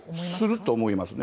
すると思います。